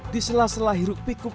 di sela sela hirup pikup